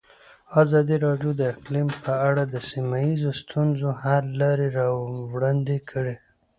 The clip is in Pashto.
ازادي راډیو د اقلیم په اړه د سیمه ییزو ستونزو حل لارې راوړاندې کړې.